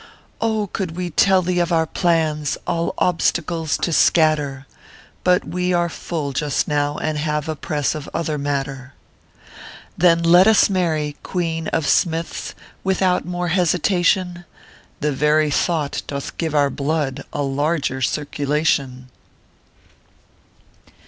Oh! we could tell thee of our plans All obstacles to scatter; But we are full just now, and have A press of other matter. Then let us marry, Queen of Smiths, Without more hesitation; The very thought doth give our blood A larger circulation